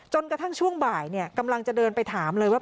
กระทั่งช่วงบ่ายกำลังจะเดินไปถามเลยว่า